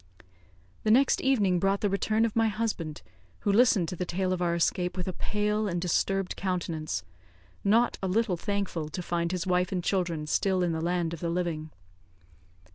The next evening brought the return of my husband, who listened to the tale of our escape with a pale and disturbed countenance; not a little thankful to find his wife and children still in the land of the living.